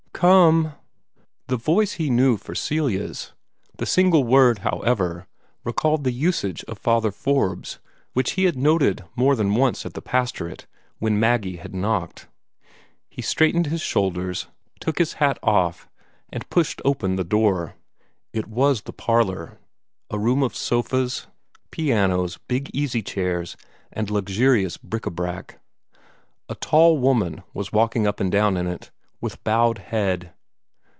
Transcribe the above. "Come!" The voice he knew for Celia's. The single word, however, recalled the usage of Father Forbes, which he had noted more than once at the pastorate, when Maggie had knocked. He straightened his shoulders, took his hat off, and pushed open the door. It WAS the parlor a room of sofas, pianos, big easy chairs, and luxurious bric a brac. A tall woman was walking up and down in it, with bowed head.